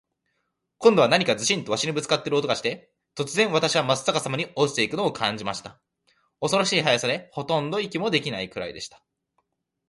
今度は何かズシンと鷲にぶっつかる音がして、突然、私はまっ逆さまに落ちて行くのを感じました。恐ろしい速さで、ほとんど息もできないくらいでした。